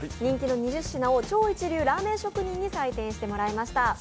人気の２０品を超一流ラーメン職人に採点してもらいました。